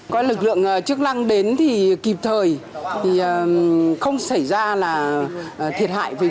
có lực lượng chức năng đến thì kịp thời không xảy ra thiệt hại về người